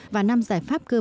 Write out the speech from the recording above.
và đào tạo đã đề ra